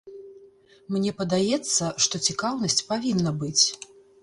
Мне падаецца, што цікаўнасць павінна быць.